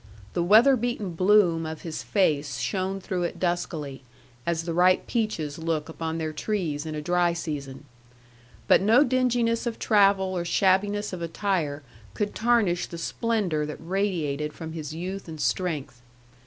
The weather beaten bloom of his face shone through it duskily, as the ripe peaches look upon their trees in a dry season. But no dinginess of travel or shabbiness of attire could tarnish the splendor that radiated from his youth and strength.